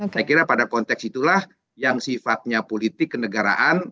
saya kira pada konteks itulah yang sifatnya politik kenegaraan